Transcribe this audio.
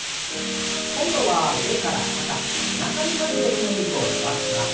今度は腕から肩背中にかけて筋肉を伸ばします。